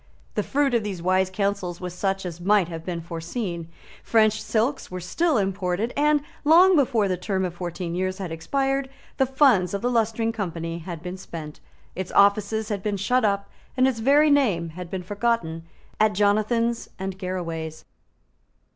The fruit of these wise counsels was such as might have been foreseen. French silks were still imported; and, long before the term of fourteen years had expired, the funds of the Lustring Company had been spent, its offices had been shut up, and its very name had been forgotten at Jonathan's and Garraway's.